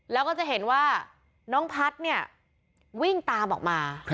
แล้วก็จะเห็นว่าน้องพัฒน์เนี่ยวิ่งตามออกมา